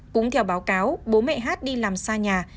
cũng theo báo cáo bố mẹ hát đi làm xa nhà